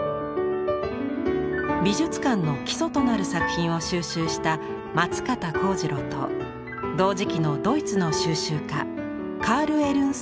美術館の基礎となる作品を収集した松方幸次郎と同時期のドイツの収集家カール・エルンスト・オストハウス。